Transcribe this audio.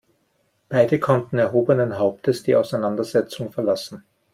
Beide konnten erhobenen Hauptes die Auseinandersetzung verlassen.